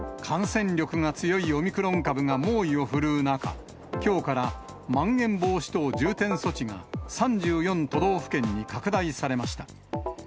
感染力が強いオミクロン株が猛威を振るう中、きょうからまん延防止等重点措置が３４都道府県に拡大されました。